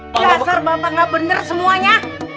kasar bapak gak bener semuanya